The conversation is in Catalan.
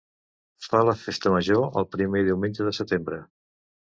Fa la festa major el primer diumenge de setembre.